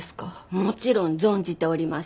もちろん存じております。